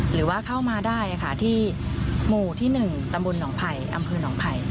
หรือว่าเข้ามาได้ค่ะที่หมู่ที่๑ตำบลหนองไผ่อำเภอหนองไผ่